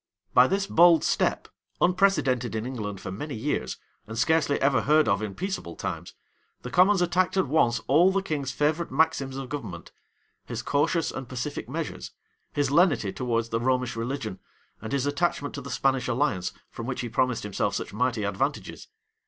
By this bold step, unprecedented in England for many years, and scarcely ever heard of in peaceable times, the commons attacked at once all the king's favorite maxims of government; his cautious and pacific measures, his lenity towards the Romish religion, and his attachment to the Spanish alliance, from which he promised himself such mighty advantages.